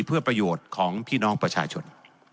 เพื่อประโยชน์ของพี่น้องประชาชน